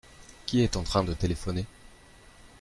Qui est en train de téléphoner ?